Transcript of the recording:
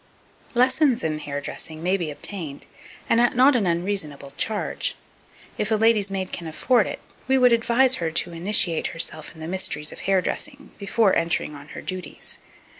2249. Lessons in hairdressing may be obtained, and at not an unreasonable charge. If a lady's maid can afford it, we would advise her to initiate herself in the mysteries of hairdressing before entering on her duties.